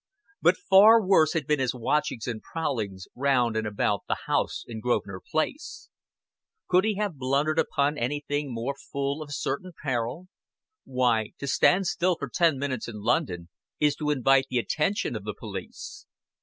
But far worse had been his watchings and prowlings round and about the house in Grosvenor Place. Could he have blundered upon anything more full of certain peril? Why, to stand still for ten minutes in London is to invite the attention of the police.